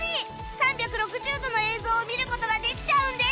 ３６０度の映像を見る事ができちゃうんです